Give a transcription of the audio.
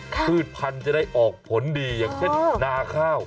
พืชพันธุ์จะได้ออกผลดีอย่างเช่นนาข้าว